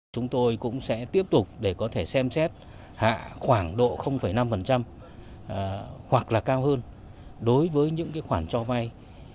chúng tôi cũng sẽ tiếp tục để có thể xem xét hạ khoảng độ năm hoặc là cao hơn đối với những khoản cho vay